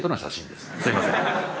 すみません。